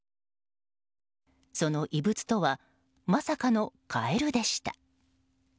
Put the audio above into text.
その異物とはまさかのカエルでした。